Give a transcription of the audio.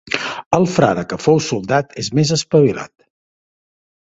El frare que fou soldat és més espavilat.